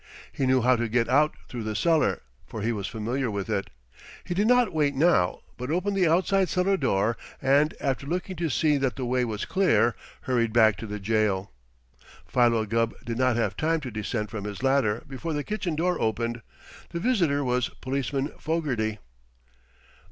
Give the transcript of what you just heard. He knew how to get out through the cellar, for he was familiar with it. He did not wait now, but opened the outside cellar door, and after looking to see that the way was clear, hurried back to the jail. Philo Gubb did not have time to descend from his ladder before the kitchen door opened. The visitor was Policeman Fogarty.